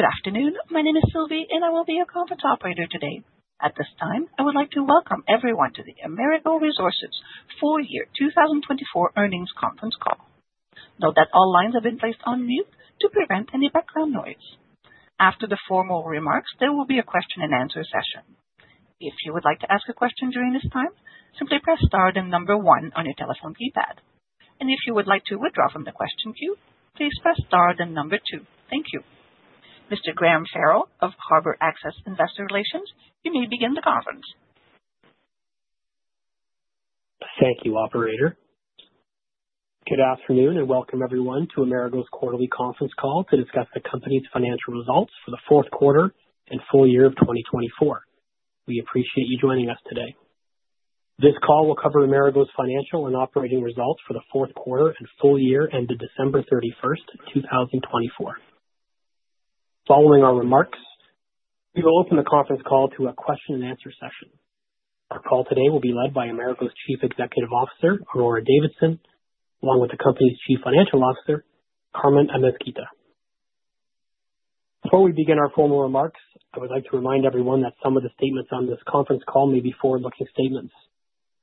Good afternoon. My name is Sylvie, and I will be your conference operator today. At this time, I would like to welcome everyone to the Amerigo Resources Full Year 2024 Earnings Conference Call. Note that all lines have been placed on mute to prevent any background noise. After the formal remarks, there will be a question-and-answer session. If you would like to ask a question during this time, simply press star then number one on your telephone keypad. If you would like to withdraw from the question queue, please press star then number two. Thank you. Mr. Graham Farrell of Harbor Access Investor Relations, you may begin the conference. Thank you, Operator. Good afternoon and welcome everyone to Amerigo's quarterly conference call to discuss the company's financial results for the fourth quarter and full year of 2024. We appreciate you joining us today. This call will cover Amerigo's financial and operating results for the fourth quarter and full year ended December 31st, 2024. Following our remarks, we will open the conference call to a question-and-answer session. Our call today will be led by Amerigo's Chief Executive Officer, Aurora Davidson, along with the company's Chief Financial Officer, Carmen Amezquita. Before we begin our formal remarks, I would like to remind everyone that some of the statements on this conference call may be forward-looking statements.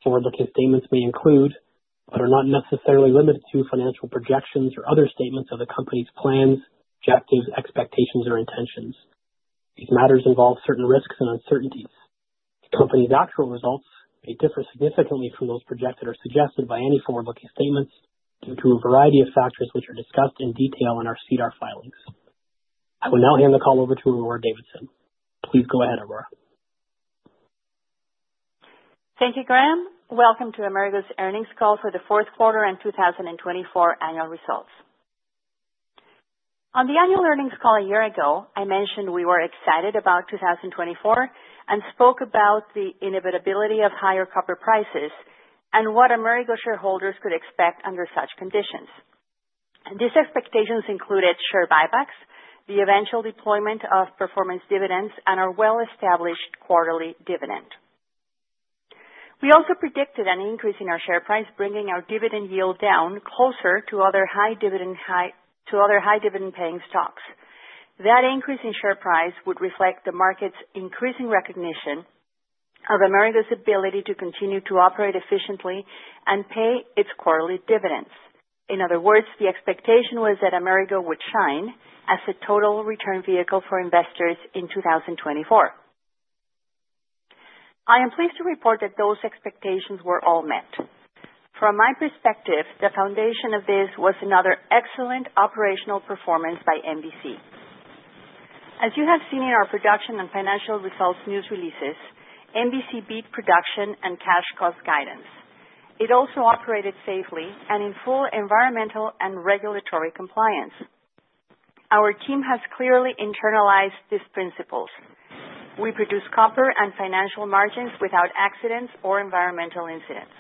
Forward-looking statements may include, but are not necessarily limited to, financial projections or other statements of the company's plans, objectives, expectations, or intentions. These matters involve certain risks and uncertainties. The company's actual results may differ significantly from those projected or suggested by any forward-looking statements due to a variety of factors which are discussed in detail in our SEDAR filings. I will now hand the call over to Aurora Davidson. Please go ahead, Aurora. Thank you, Graham. Welcome to Amerigo's earnings call for the fourth quarter and 2024 annual results. On the annual earnings call a year ago, I mentioned we were excited about 2024 and spoke about the inevitability of higher copper prices and what Amerigo shareholders could expect under such conditions. These expectations included share buybacks, the eventual deployment of performance dividends, and our well-established quarterly dividend. We also predicted an increase in our share price, bringing our dividend yield down closer to other high dividend-paying stocks. That increase in share price would reflect the market's increasing recognition of Amerigo's ability to continue to operate efficiently and pay its quarterly dividends. In other words, the expectation was that Amerigo would shine as a total return vehicle for investors in 2024. I am pleased to report that those expectations were all met. From my perspective, the foundation of this was another excellent operational performance by MVC. As you have seen in our production and financial results news releases, MVC beat production and cash cost guidance. It also operated safely and in full environmental and regulatory compliance. Our team has clearly internalized these principles. We produce copper and financial margins without accidents or environmental incidents.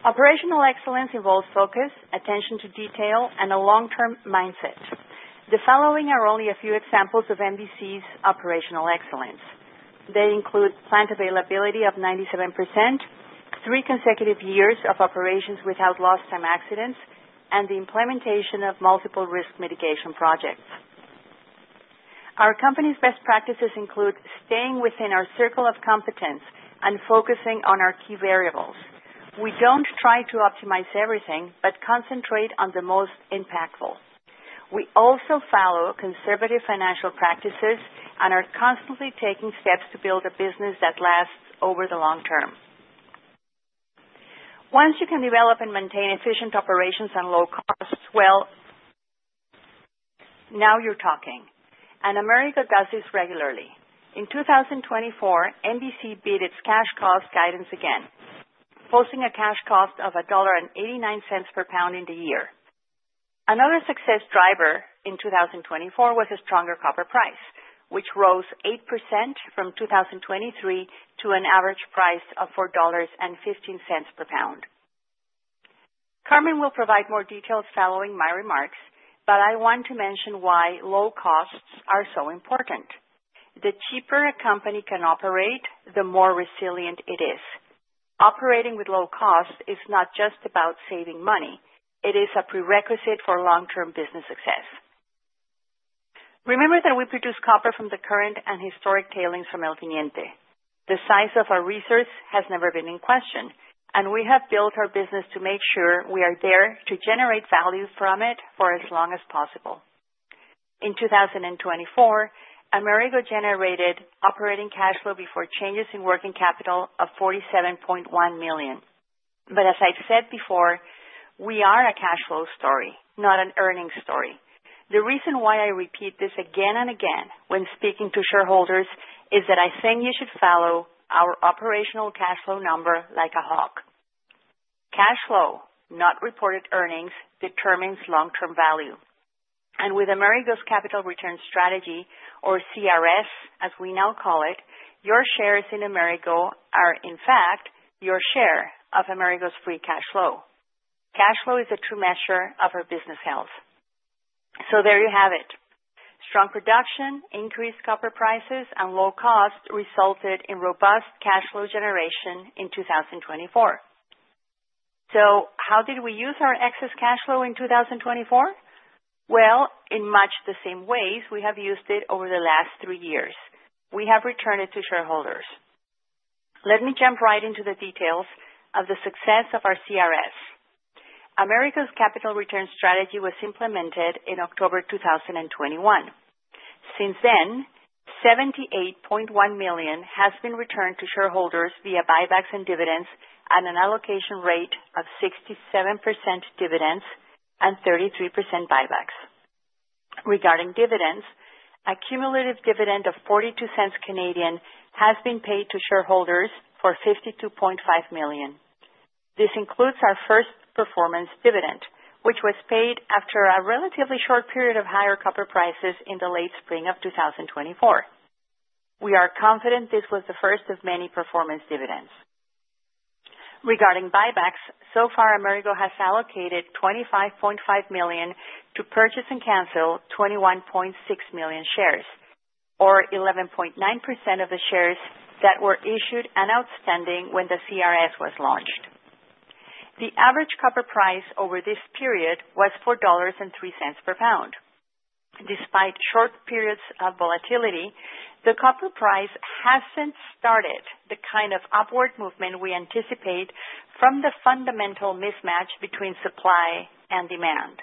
Operational excellence involves focus, attention to detail, and a long-term mindset. The following are only a few examples of MVC's operational excellence. They include plant availability of 97%, three consecutive years of operations without lost-time accidents, and the implementation of multiple risk mitigation projects. Our company's best practices include staying within our circle of competence and focusing on our key variables. We do not try to optimize everything but concentrate on the most impactful. We also follow conservative financial practices and are constantly taking steps to build a business that lasts over the long term. Once you can develop and maintain efficient operations and low costs well, now you're talking. Amerigo does this regularly. In 2024, MVC beat its cash cost guidance again, posting a cash cost of $1.89 per pound in the year. Another success driver in 2024 was a stronger copper price, which rose 8% from 2023 to an average price of $4.15 per pound. Carmen will provide more details following my remarks, but I want to mention why low costs are so important. The cheaper a company can operate, the more resilient it is. Operating with low costs is not just about saving money; it is a prerequisite for long-term business success. Remember that we produce copper from the current and historic tailings from El Teniente. The size of our resource has never been in question, and we have built our business to make sure we are there to generate value from it for as long as possible. In 2024, Amerigo generated operating cash flow before changes in working capital of $47.1 million. As I've said before, we are a cash flow story, not an earnings story. The reason why I repeat this again and again when speaking to shareholders is that I think you should follow our operational cash flow number like a hawk. Cash flow, not reported earnings, determines long-term value. With Amerigo's capital return strategy, or CRS, as we now call it, your shares in Amerigo are, in fact, your share of Amerigo's free cash flow. Cash flow is a true measure of our business health. There you have it. Strong production, increased copper prices, and low costs resulted in robust cash flow generation in 2024. How did we use our excess cash flow in 2024? In much the same ways we have used it over the last three years. We have returned it to shareholders. Let me jump right into the details of the success of our CRS. Amerigo's capital return strategy was implemented in October 2021. Since then, $78.1 million has been returned to shareholders via buybacks and dividends at an allocation rate of 67% dividends and 33% buybacks. Regarding dividends, a cumulative dividend of 0.42 has been paid to shareholders for $52.5 million. This includes our first performance dividend, which was paid after a relatively short period of higher copper prices in the late spring of 2024. We are confident this was the first of many performance dividends. Regarding buybacks, so far, Amerigo has allocated $25.5 million to purchase and cancel 21.6 million shares, or 11.9% of the shares that were issued and outstanding when the CRS was launched. The average copper price over this period was $4.03 per pound. Despite short periods of volatility, the copper price has not started the kind of upward movement we anticipate from the fundamental mismatch between supply and demand.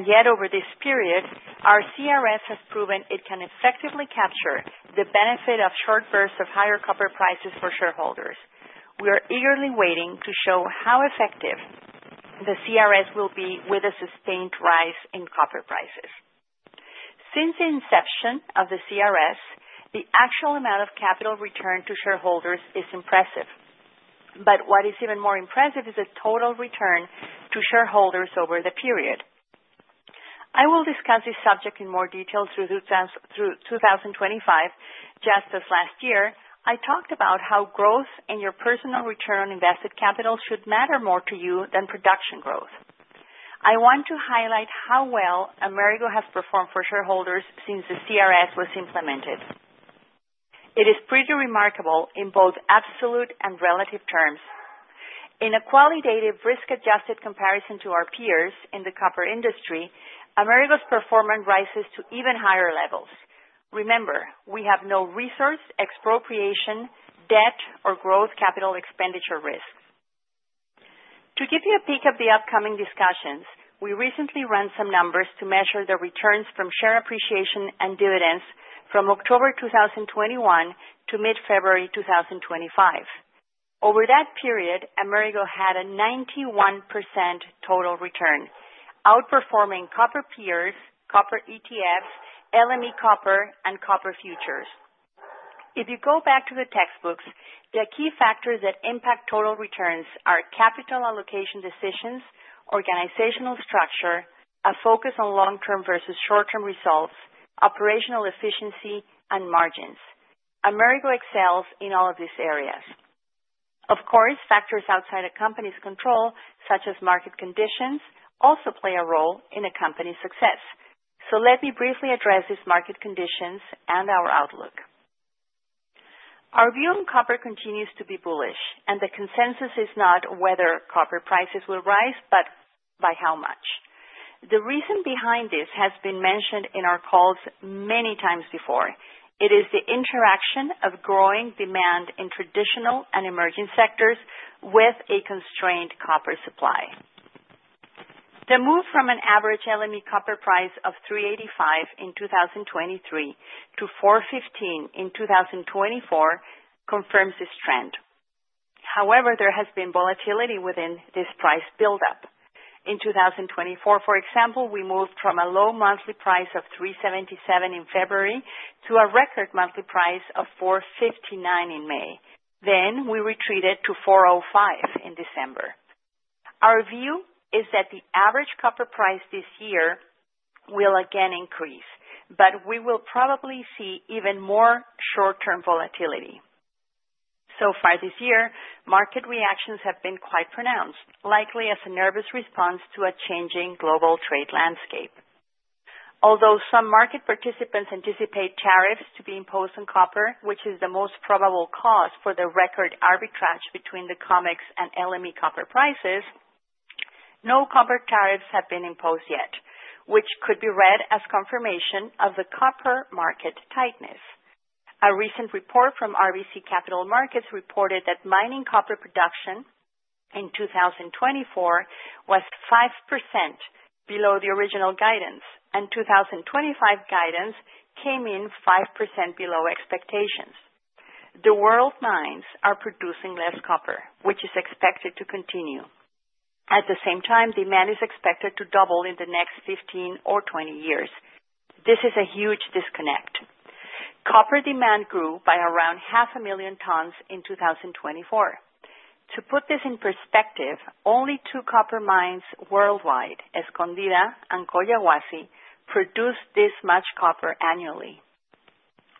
Yet, over this period, our CRS has proven it can effectively capture the benefit of short bursts of higher copper prices for shareholders. We are eagerly waiting to show how effective the CRS will be with a sustained rise in copper prices. Since the inception of the CRS, the actual amount of capital returned to shareholders is impressive. What is even more impressive is the total return to shareholders over the period. I will discuss this subject in more detail through 2025. Just as last year, I talked about how growth and your personal return on invested capital should matter more to you than production growth. I want to highlight how well Amerigo has performed for shareholders since the CRS was implemented. It is pretty remarkable in both absolute and relative terms. In a qualitative risk-adjusted comparison to our peers in the copper industry, Amerigo's performance rises to even higher levels. Remember, we have no resource expropriation, debt, or growth capital expenditure risks. To give you a peek of the upcoming discussions, we recently ran some numbers to measure the returns from share appreciation and dividends from October 2021 to mid-February 2025. Over that period, Amerigo had a 91% total return, outperforming copper peers, copper ETFs, LME copper, and copper futures. If you go back to the textbooks, the key factors that impact total returns are capital allocation decisions, organizational structure, a focus on long-term versus short-term results, operational efficiency, and margins. Amerigo excels in all of these areas. Of course, factors outside a company's control, such as market conditions, also play a role in a company's success. Let me briefly address these market conditions and our outlook. Our view on copper continues to be bullish, and the consensus is not whether copper prices will rise, but by how much. The reason behind this has been mentioned in our calls many times before. It is the interaction of growing demand in traditional and emerging sectors with a constrained copper supply. The move from an average LME copper price of $3.85 in 2023 to $4.15 in 2024 confirms this trend. However, there has been volatility within this price build-up. In 2024, for example, we moved from a low monthly price of $3.77 in February to a record monthly price of $4.59 in May. We retreated to $4.05 in December. Our view is that the average copper price this year will again increase, but we will probably see even more short-term volatility. So far this year, market reactions have been quite pronounced, likely as a nervous response to a changing global trade landscape. Although some market participants anticipate tariffs to be imposed on copper, which is the most probable cause for the record arbitrage between the COMEX and LME copper prices, no copper tariffs have been imposed yet, which could be read as confirmation of the copper market tightness. A recent report from RBC Capital Markets reported that mining copper production in 2024 was 5% below the original guidance, and 2025 guidance came in 5% below expectations. The world mines are producing less copper, which is expected to continue. At the same time, demand is expected to double in the next 15 or 20 years. This is a huge disconnect. Copper demand grew by around 500,000 tons in 2024. To put this in perspective, only two copper mines worldwide, Escondida and Collahuasi, produce this much copper annually.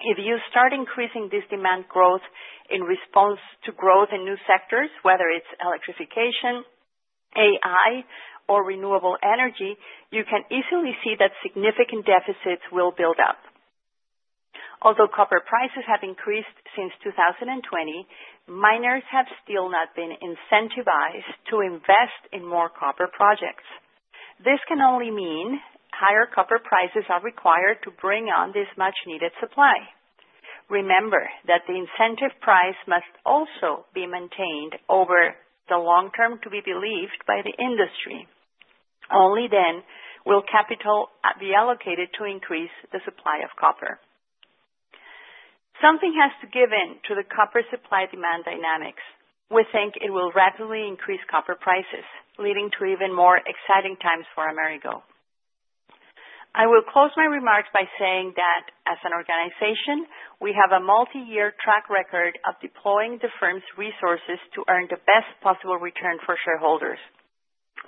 If you start increasing this demand growth in response to growth in new sectors, whether it's electrification, AI, or renewable energy, you can easily see that significant deficits will build up. Although copper prices have increased since 2020, miners have still not been incentivized to invest in more copper projects. This can only mean higher copper prices are required to bring on this much-needed supply. Remember that the incentive price must also be maintained over the long term to be believed by the industry. Only then will capital be allocated to increase the supply of copper. Something has to give in to the copper supply-demand dynamics. We think it will rapidly increase copper prices, leading to even more exciting times for Amerigo. I will close my remarks by saying that, as an organization, we have a multi-year track record of deploying the firm's resources to earn the best possible return for shareholders.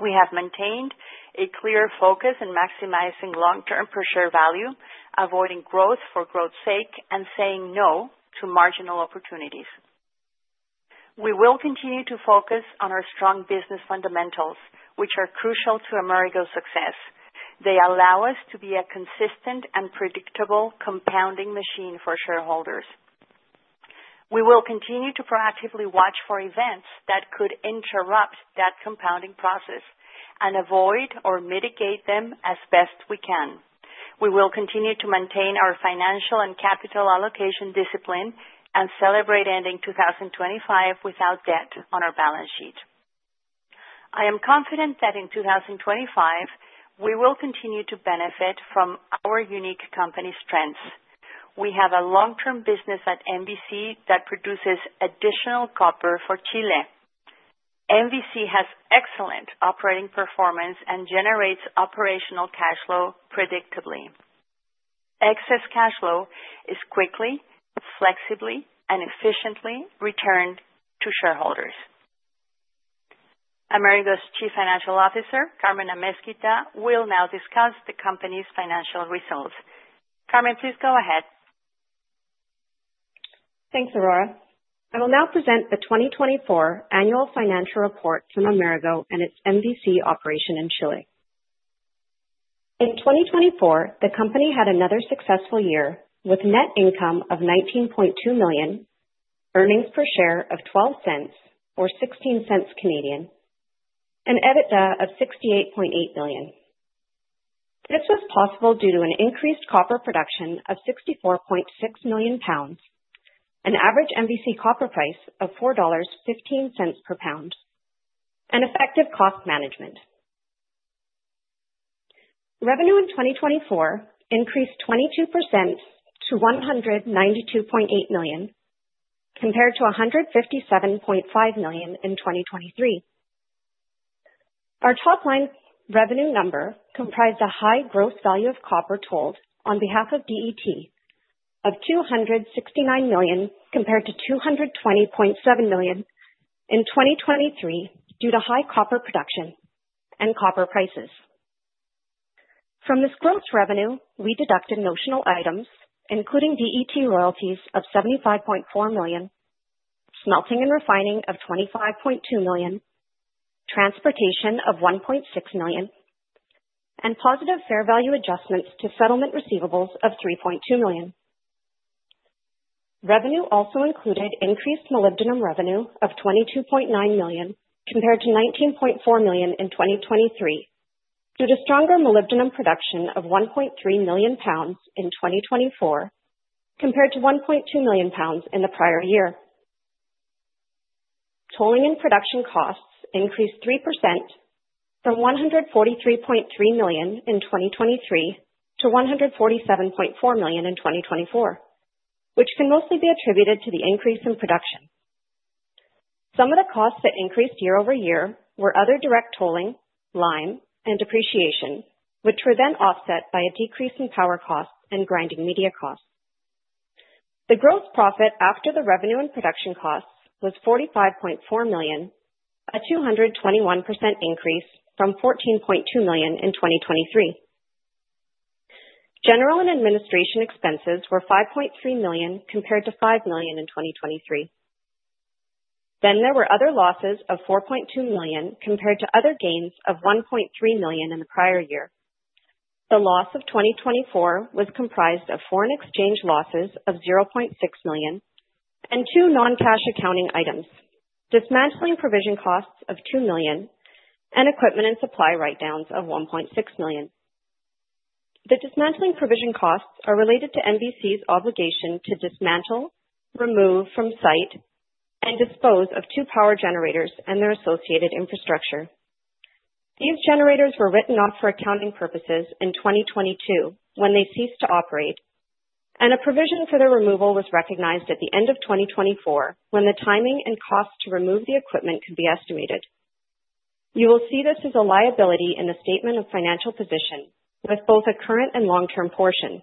We have maintained a clear focus in maximizing long-term per-share value, avoiding growth for growth's sake, and saying no to marginal opportunities. We will continue to focus on our strong business fundamentals, which are crucial to Amerigo's success. They allow us to be a consistent and predictable compounding machine for shareholders. We will continue to proactively watch for events that could interrupt that compounding process and avoid or mitigate them as best we can. We will continue to maintain our financial and capital allocation discipline and celebrate ending 2025 without debt on our balance sheet. I am confident that in 2025, we will continue to benefit from our unique company's strengths. We have a long-term business at MVC that produces additional copper for Chile. MVC has excellent operating performance and generates operational cash flow predictably. Excess cash flow is quickly, flexibly, and efficiently returned to shareholders. Amerigo's Chief Financial Officer, Carmen Amezquita, will now discuss the company's financial results. Carmen, please go ahead. Thanks, Aurora. I will now present the 2024 annual financial report from Amerigo and its MVC operation in Chile. In 2024, the company had another successful year with net income of $19.2 million, earnings per share of $0.12, or 0.16, and EBITDA of $68.8 million. This was possible due to an increased copper production of 64.6 million pounds, an average MVC copper price of $4.15 per pound, and effective cost management. Revenue in 2024 increased 22% to $192.8 million, compared to $157.5 million in 2023. Our top-line revenue number comprised a high gross value of copper tolled on behalf of DET of $269 million compared to $220.7 million in 2023 due to high copper production and copper prices. From this gross revenue, we deducted notional items, including DET royalties of $75.4 million, smelting and refining of $25.2 million, transportation of $1.6 million, and positive fair value adjustments to settlement receivables of $3.2 million. Revenue also included increased molybdenum revenue of $22.9 million compared to $19.4 million in 2023 due to stronger molybdenum production of 1.3 million pounds in 2024 compared to 1.2 million pounds in the prior year. Tolling and production costs increased 3% from $143.3 million in 2023 to $147.4 million in 2024, which can mostly be attributed to the increase in production. Some of the costs that increased year over year were other direct tolling, lime, and depreciation, which were then offset by a decrease in power costs and grinding media costs. The gross profit after the revenue and production costs was $45.4 million, a 221% increase from $14.2 million in 2023. General and administration expenses were $5.3 million compared to $5 million in 2023. There were other losses of $4.2 million compared to other gains of $1.3 million in the prior year. The loss of 2024 was comprised of foreign exchange losses of $0.6 million and two non-cash accounting items, dismantling provision costs of $2 million, and equipment and supply write-downs of $1.6 million. The dismantling provision costs are related to MVC's obligation to dismantle, remove from site, and dispose of two power generators and their associated infrastructure. These generators were written off for accounting purposes in 2022 when they ceased to operate, and a provision for their removal was recognized at the end of 2024 when the timing and cost to remove the equipment could be estimated. You will see this as a liability in the statement of financial position, with both a current and long-term portion.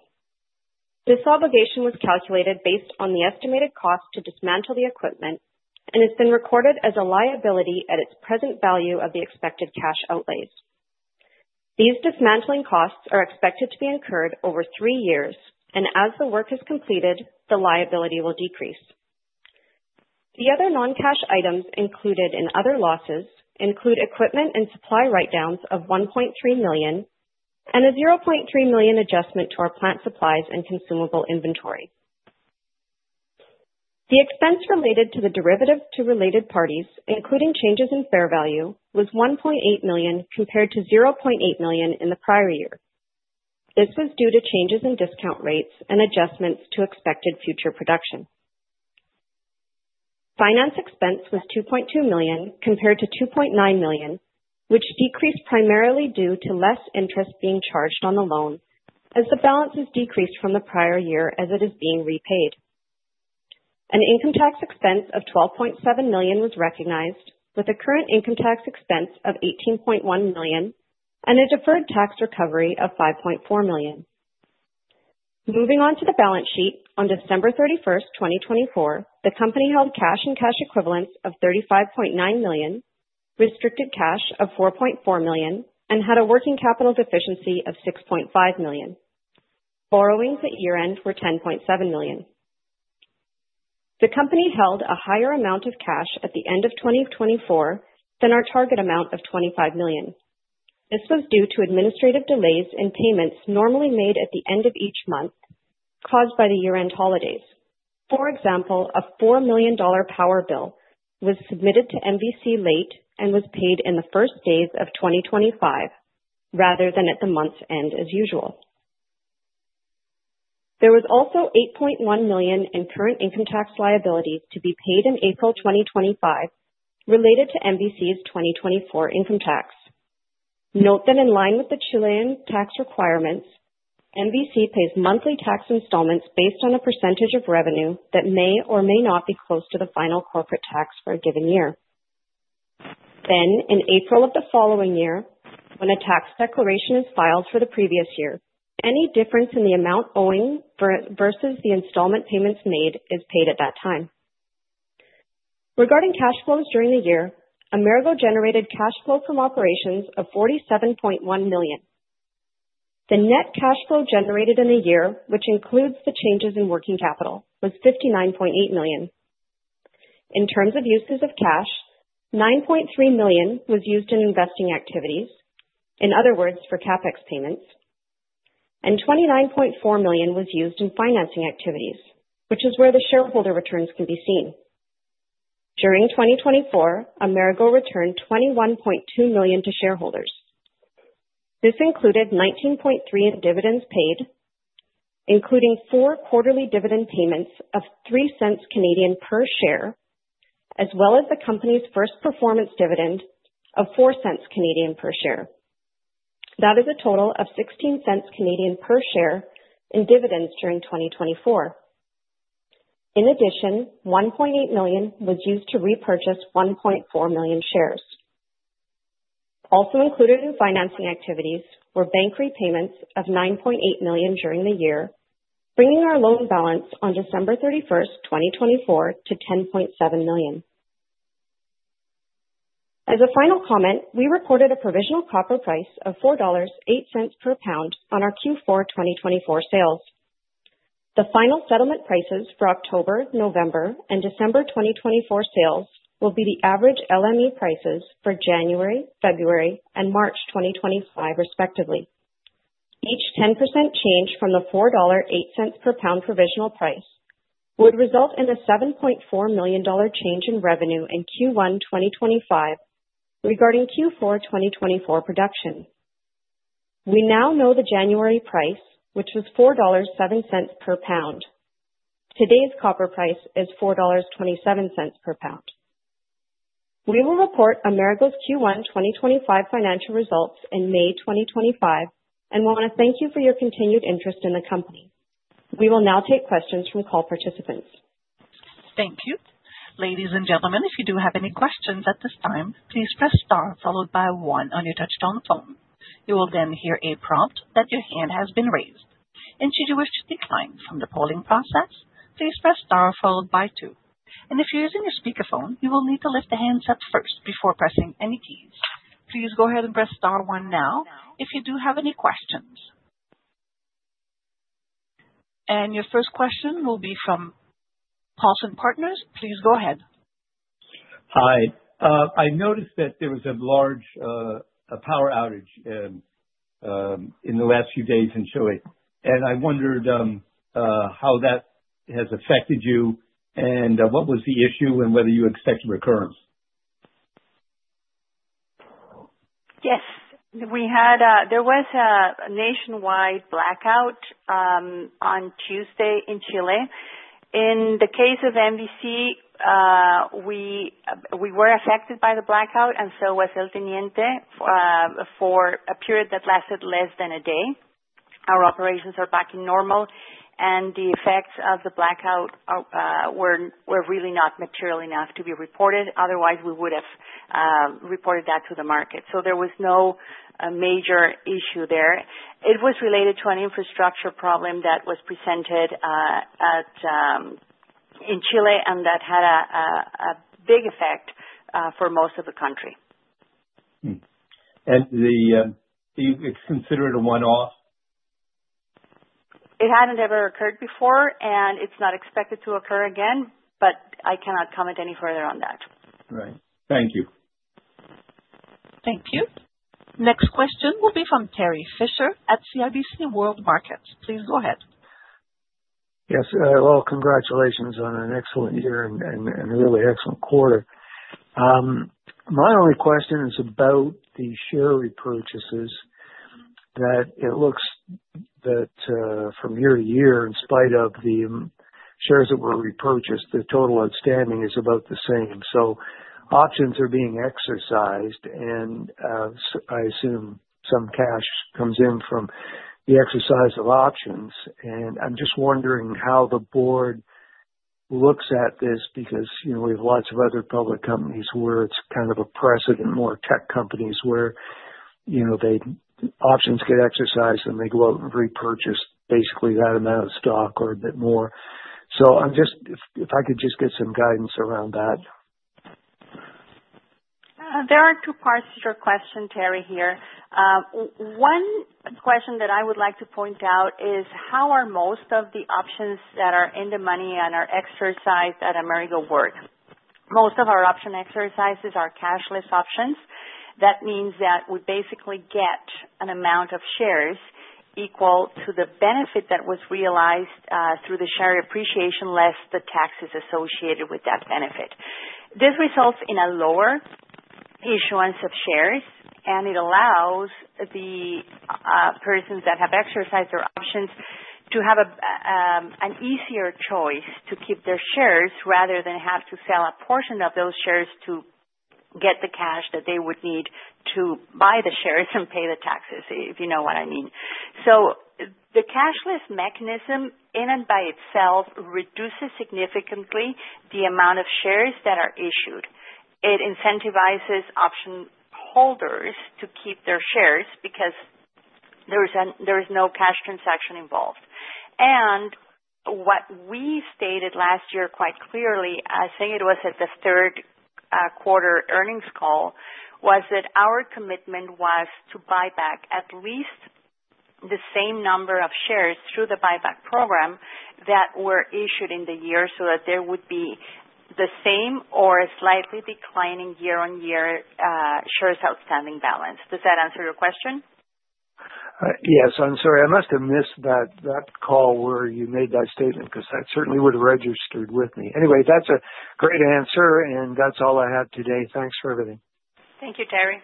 This obligation was calculated based on the estimated cost to dismantle the equipment and has been recorded as a liability at its present value of the expected cash outlays. These dismantling costs are expected to be incurred over three years, and as the work is completed, the liability will decrease. The other non-cash items included in other losses include equipment and supply write-downs of $1.3 million and a $0.3 million adjustment to our plant supplies and consumable inventory. The expense related to the derivative to related parties, including changes in fair value, was $1.8 million compared to $0.8 million in the prior year. This was due to changes in discount rates and adjustments to expected future production. Finance expense was $2.2 million compared to $2.9 million, which decreased primarily due to less interest being charged on the loan, as the balance is decreased from the prior year as it is being repaid. An income tax expense of $12.7 million was recognized, with a current income tax expense of $18.1 million and a deferred tax recovery of $5.4 million. Moving on to the balance sheet, on December 31, 2024, the company held cash and cash equivalents of $35.9 million, restricted cash of $4.4 million, and had a working capital deficiency of $6.5 million. Borrowings at year-end were $10.7 million. The company held a higher amount of cash at the end of 2024 than our target amount of $25 million. This was due to administrative delays in payments normally made at the end of each month caused by the year-end holidays. For example, a $4 million power bill was submitted to MVC late and was paid in the first days of 2025 rather than at the month's end as usual. There was also $8.1 million in current income tax liabilities to be paid in April 2025 related to MVC's 2024 income tax. Note that in line with the Chilean tax requirements, MVC pays monthly tax installments based on a percentage of revenue that may or may not be close to the final corporate tax for a given year. In April of the following year, when a tax declaration is filed for the previous year, any difference in the amount owing versus the installment payments made is paid at that time. Regarding cash flows during the year, Amerigo generated cash flow from operations of $47.1 million. The net cash flow generated in the year, which includes the changes in working capital, was $59.8 million. In terms of uses of cash, $9.3 million was used in investing activities, in other words, for CapEx payments, and $29.4 million was used in financing activities, which is where the shareholder returns can be seen. During 2024, Amerigo returned $21.2 million to shareholders. This included $19.3 million in dividends paid, including four quarterly dividend payments of 0.03 per share, as well as the company's first performance dividend of 0.04 per share. That is a total of 0.16 per share in dividends during 2024. In addition, $1.8 million was used to repurchase 1.4 million shares. Also included in financing activities were bank repayments of $9.8 million during the year, bringing our loan balance on December 31, 2024, to $10.7 million. As a final comment, we recorded a provisional copper price of $4.08 per pound on our Q4 2024 sales. The final settlement prices for October, November, and December 2024 sales will be the average LME prices for January, February, and March 2025, respectively. Each 10% change from the $4.08 per pound provisional price would result in a $7.4 million change in revenue in Q1 2025 regarding Q4 2024 production. We now know the January price, which was $4.07 per pound. Today's copper price is $4.27 per pound. We will report Amerigo's Q1 2025 financial results in May 2025 and want to thank you for your continued interest in the company. We will now take questions from call participants. Thank you. Ladies and gentlemen, if you do have any questions at this time, please press Star followed by 1 on your touch-tone phone. You will then hear a prompt that your hand has been raised. Should you wish to decline from the polling process, please press Star followed by 2. If you are using your speakerphone, you will need to lift the handset first before pressing any keys. Please go ahead and press Star 1 now if you do have any questions. Your first question will be from Paulson Partners.Please go ahead. Hi. I noticed that there was a large power outage in the last few days in Chile. I wondered how that has affected you and what was the issue and whether you expect a recurrence. Yes. There was a nationwide blackout on Tuesday in Chile. In the case of MVC, we were affected by the blackout, and so was El Teniente, for a period that lasted less than a day. Our operations are back in normal, and the effects of the blackout were really not material enough to be reported. Otherwise, we would have reported that to the market. There was no major issue there. It was related to an infrastructure problem that was presented in Chile and that had a big effect for most of the country. It is considered a one-off? It hadn't ever occurred before, and it's not expected to occur again, but I cannot comment any further on that. Right. Thank you. Thank you. Next question will be from Terry Fisher at CIBC World Markets. Please go ahead. Yes. Congratulations on an excellent year and a really excellent quarter. My only question is about the share repurchases that it looks that from year to year, in spite of the shares that were repurchased, the total outstanding is about the same. Options are being exercised, and I assume some cash comes in from the exercise of options. I am just wondering how the board looks at this because we have lots of other public companies where it's kind of a precedent, more tech companies, where options get exercised and they go out and repurchase basically that amount of stock or a bit more. If I could just get some guidance around that. There are two parts to your question, Terry, here. One question that I would like to point out is how are most of the options that are in the money and are exercised at Amerigo work? Most of our option exercises are cashless options. That means that we basically get an amount of shares equal to the benefit that was realized through the share appreciation less the taxes associated with that benefit. This results in a lower issuance of shares, and it allows the persons that have exercised their options to have an easier choice to keep their shares rather than have to sell a portion of those shares to get the cash that they would need to buy the shares and pay the taxes, if you know what I mean. The cashless mechanism in and by itself reduces significantly the amount of shares that are issued. It incentivizes option holders to keep their shares because there is no cash transaction involved. What we stated last year quite clearly, I think it was at the third quarter earnings call, was that our commitment was to buy back at least the same number of shares through the buyback program that were issued in the year so that there would be the same or a slightly declining year-on-year shares outstanding balance. Does that answer your question? Yes. I'm sorry. I must have missed that call where you made that statement because that certainly would have registered with me. Anyway, that's a great answer, and that's all I have today. Thanks for everything. Thank you, Terry.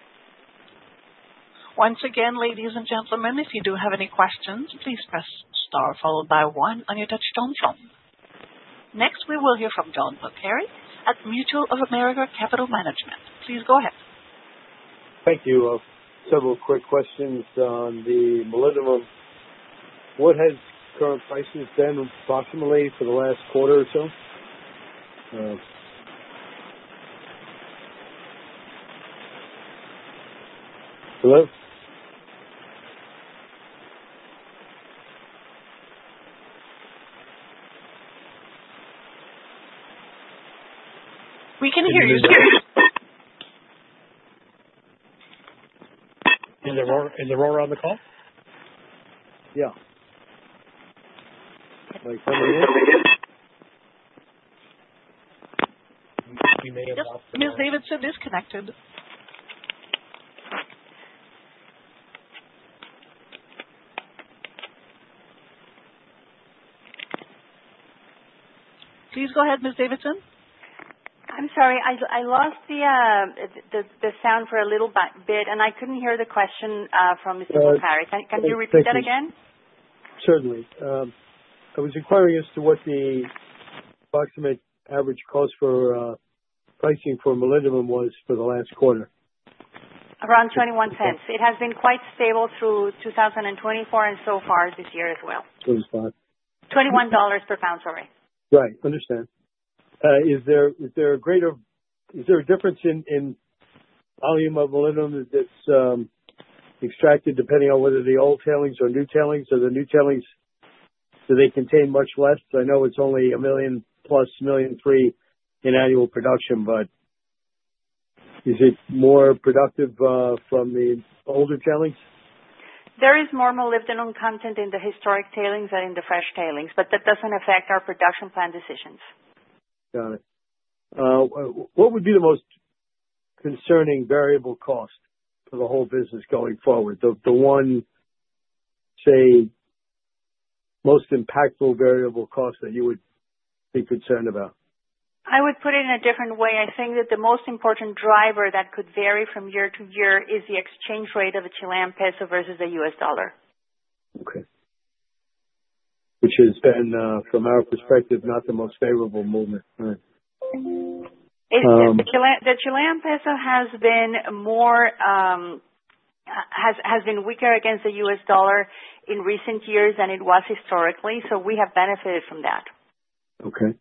Once again, ladies and gentlemen, if you do have any questions, please press Star followed by 1 on your touch-tone phone. Next, we will hear from John Polcari at Mutual of America Capital Management. Please go ahead. Thank you. A couple of quick questions on the molybdenum. What has current prices been approximately for the last quarter or so? Hello? We can hear you. Can everyone hear me? Is everyone on the call? Yeah. Like coming in? We may have lost you. Ms. Davidson is connected. Please go ahead, Ms. Davidson. I'm sorry. I lost the sound for a little bit, and I could not hear the question from Mr. Polcari. Can you repeat that again? Certainly. I was inquiring as to what the approximate average cost for pricing for molybdenum was for the last quarter. Around $0.21. It has been quite stable through 2024 and so far this year as well. $21. $21 per pound, sorry. Right. Understand. Is there a greater difference in volume of molybdenum that is extracted depending on whether the old tailings or new tailings? Are the new tailings, do they contain much less? I know it is only a million plus, million three in annual production, but is it more productive from the older tailings? There is more molybdenum content in the historic tailings than in the fresh tailings, but that does not affect our production plan decisions. Got it. What would be the most concerning variable cost for the whole business going forward? The one, say, most impactful variable cost that you would be concerned about? I would put it in a different way. I think that the most important driver that could vary from year to year is the exchange rate of the Chilean peso versus the US dollar. Okay. Which has been, from our perspective, not the most favorable movement. The Chilean peso has been weaker against the US dollar in recent years than it was historically, so we have benefited from that. Okay.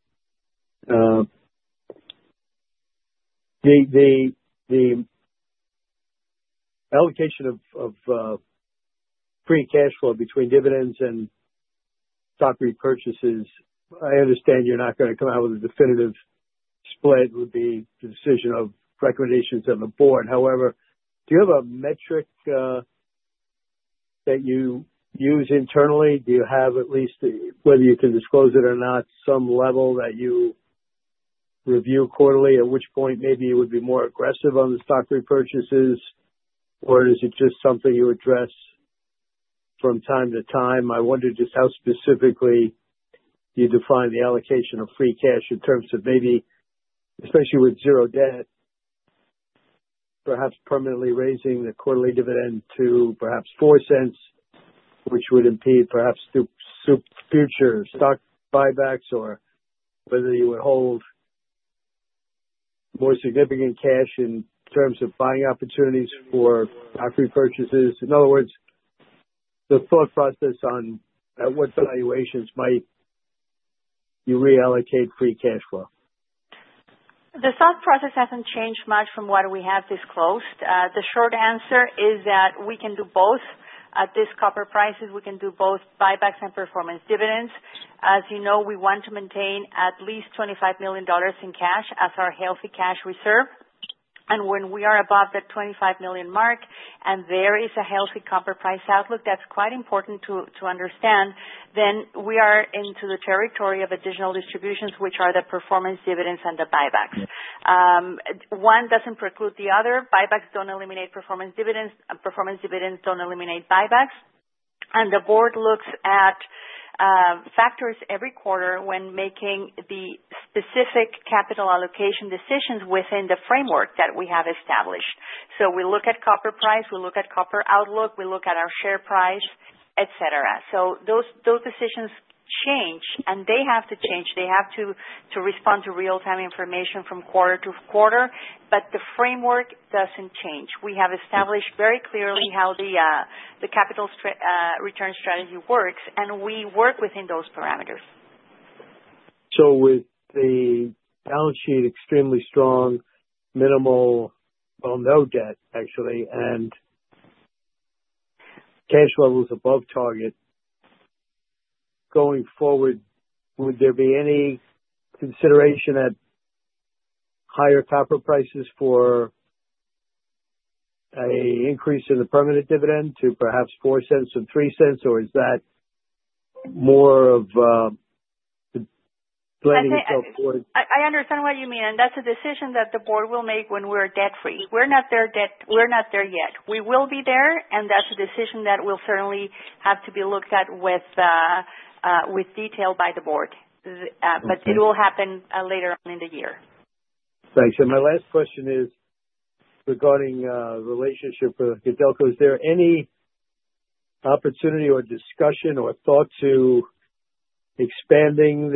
The allocation of free cash flow between dividends and stock repurchases, I understand you're not going to come out with a definitive split. It would be the decision of recommendations of the board. However, do you have a metric that you use internally? Do you have at least, whether you can disclose it or not, some level that you review quarterly, at which point maybe you would be more aggressive on the stock repurchases, or is it just something you address from time to time? I wonder just how specifically you define the allocation of free cash in terms of maybe, especially with zero debt, perhaps permanently raising the quarterly dividend to perhaps $0.04, which would impede perhaps future stock buybacks or whether you would hold more significant cash in terms of buying opportunities for stock repurchases. In other words, the thought process on at what valuations might you reallocate free cash flow? The thought process hasn't changed much from what we have disclosed. The short answer is that we can do both at these copper prices. We can do both buybacks and performance dividends. As you know, we want to maintain at least $25 million in cash as our healthy cash reserve. When we are above that $25 million mark and there is a healthy copper price outlook, that's quite important to understand, then we are into the territory of additional distributions, which are the performance dividends and the buybacks. One doesn't preclude the other. Buybacks don't eliminate performance dividends. Performance dividends don't eliminate buybacks. The board looks at factors every quarter when making the specific capital allocation decisions within the framework that we have established. We look at copper price. We look at copper outlook. We look at our share price, etc. Those decisions change, and they have to change. They have to respond to real-time information from quarter to quarter, but the framework doesn't change. We have established very clearly how the capital return strategy works, and we work within those parameters. With the balance sheet extremely strong, minimal, well, no debt actually, and cash levels above target, going forward, would there be any consideration at higher copper prices for an increase in the permanent dividend to perhaps $0.04 and $0.03, or is that more of blaming itself towards? I understand what you mean. That's a decision that the board will make when we're debt-free. We're not there yet. We will be there, and that's a decision that will certainly have to be looked at with detail by the board. It will happen later on in the year. Thanks. My last question is regarding the relationship with Codelco. Is there any opportunity or discussion or thought to expanding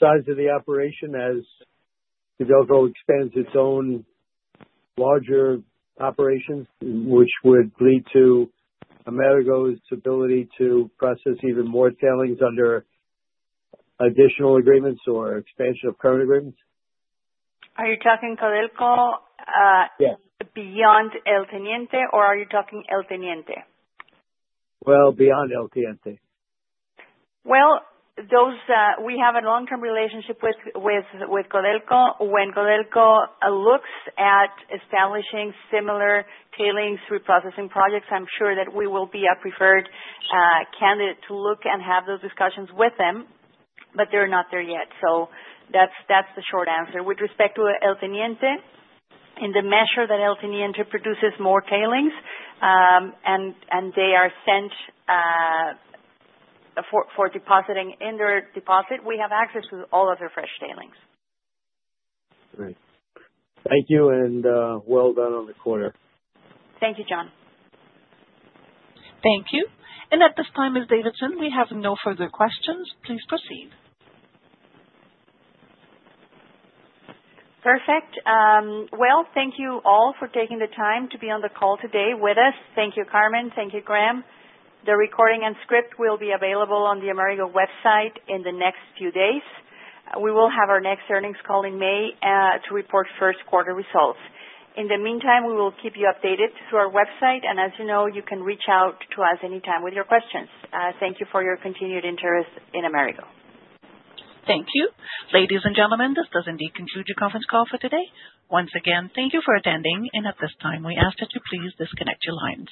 the size of the operation as Codelco expands its own larger operations, which would lead to Amerigo's ability to process even more tailings under additional agreements or expansion of current agreements? Are you talking Codelco beyond El Teniente, or are you talking El Teniente? Beyond El Teniente. We have a long-term relationship with Codelco. When Codelco looks at establishing similar tailings reprocessing projects, I am sure that we will be a preferred candidate to look and have those discussions with them, but they are not there yet. That is the short answer. With respect to El Teniente, in the measure that El Teniente produces more tailings and they are sent for depositing in their deposit, we have access to all of their fresh tailings. Great. Thank you, and well done on the quarter. Thank you, John. Thank you. At this time, Ms. Davidson, we have no further questions. Please proceed. Perfect. Thank you all for taking the time to be on the call today with us. Thank you, Carmen. Thank you, Graham. The recording and script will be available on the Amerigo website in the next few days. We will have our next earnings call in May to report first quarter results. In the meantime, we will keep you updated through our website, and as you know, you can reach out to us anytime with your questions. Thank you for your continued interest in Amerigo. Thank you. Ladies and gentlemen, this does indeed conclude your conference call for today. Once again, thank you for attending, and at this time, we ask that you please disconnect your lines.